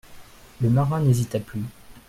Le marin n'hésita plus.